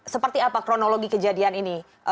seperti apa kronologi kejadian ini